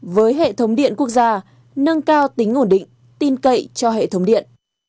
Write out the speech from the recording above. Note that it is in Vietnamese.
với hệ thống điện quốc gia nâng cao tính ổn định tin cậy cho hệ thống điện